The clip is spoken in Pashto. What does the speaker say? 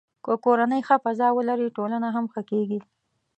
که کورنۍ ښه فضا ولري، ټولنه هم ښه کېږي.